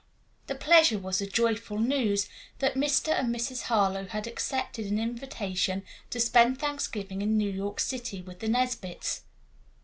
The "pleasure" was the joyful news that Mr. and Mrs. Harlowe had accepted an invitation to spend Thanksgiving in New York City with the Nesbits.